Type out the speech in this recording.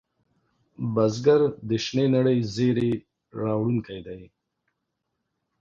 بزګر د شنې نړۍ زېری راوړونکی دی